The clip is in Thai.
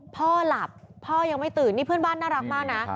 พ่อหลับพ่อยังไม่ตื่นนี่เพื่อนบ้านน่ารักมากนะ